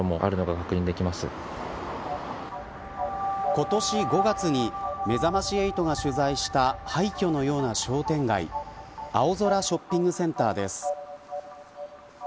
今年５月にめざまし８が取材した廃墟のような商店街青空ショッピングセンターです。